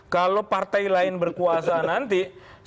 kalau partai lain berkuasa nanti